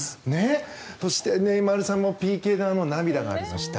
そして、ネイマールさんもＰＫでの涙がありました。